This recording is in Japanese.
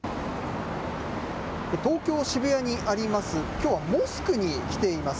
東京・渋谷にあります、きょうはモスクに来ています。